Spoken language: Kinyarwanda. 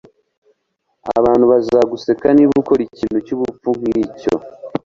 Abantu bazaguseka niba ukora ikintu cyubupfu nkicyo.